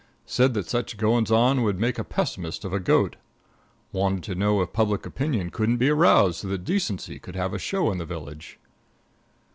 Said that such goings on would make a pessimist of a goat. Wanted to know if public opinion couldn't be aroused so that decency would have a show in the village.